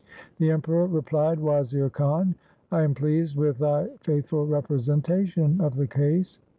The Emperor replied, ' Wazir Khan, I am pleased with thy faith ful representation of the case.'